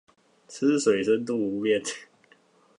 吃水深度不變